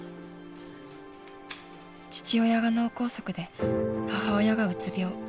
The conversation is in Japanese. ［父親が脳梗塞で母親がうつ病］